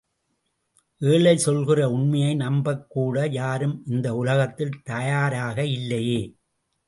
ஏழை சொல்கிற உண்மையை நம்பக் கூட யாரும் இந்த உலகத்தில் தயாராக இல்லையே!